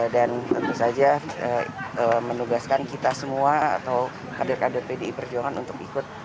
dan tentu saja menugaskan kita semua atau kader kader pdi perjuangan untuk ikut